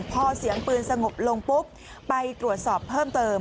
พอเสียงปืนสงบลงปุ๊บไปตรวจสอบเพิ่มเติม